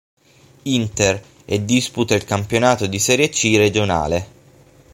Inter" e disputa il campionato di Serie C regionale.